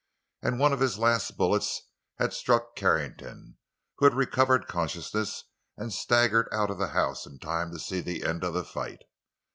And one of his last bullets had struck Carrington, who had recovered consciousness and staggered out of the house in time to see the end of the fight.